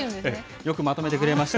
よくまとめてくれました。